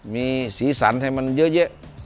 มีศีลศรัทธิ์ให้มันเยอะเยอะ